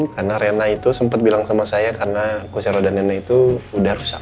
karena rena itu sempet bilang sama saya karena kursi roda nenek itu udah rusak